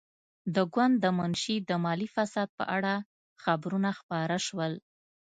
د ګوند د منشي د مالي فساد په اړه خبرونه خپاره شول.